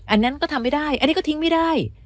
อันนั้นก็ทำไม่ได้อันนี้ก็ทิ้งไม่ได้